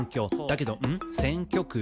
「だけどん、選挙区？